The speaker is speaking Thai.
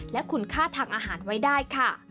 และคุณค่าทางอาหารไว้ได้ค่ะ